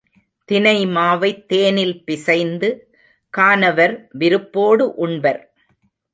தினை மாவைத் தேனில் பிசைந்து கானவர் விருப்போடு உண்பர்.